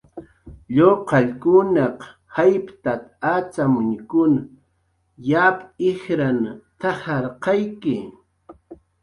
"Lluqallunkunaq jaytat acxamuñkun yap jijran t""ajarqayki. "